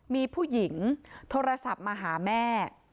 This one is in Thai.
มีผู้หญิงโทรศัพท์มาหาแม่